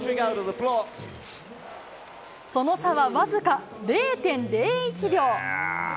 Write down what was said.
その差は僅か０．０１秒。